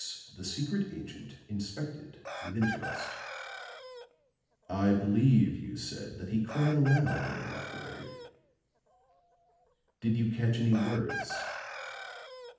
This the secret agent inspected with interest. "I believe you said that he cried aloud in the library did you catch any words?"